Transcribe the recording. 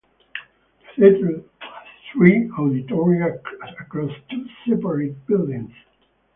The theatre has three auditoria across two separate buildings.